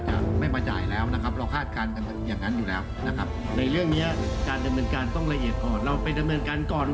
ชัดเจนต่างก็จะมากขึ้นในเรื่องของการดำเนินการ